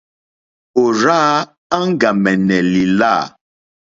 Ò rzáā áŋɡàmɛ̀nɛ̀ lìlâ.